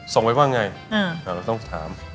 ส่งไว้ว่าไงเราต้องถาม